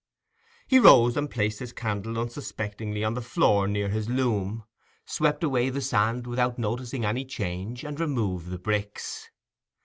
He rose and placed his candle unsuspectingly on the floor near his loom, swept away the sand without noticing any change, and removed the bricks.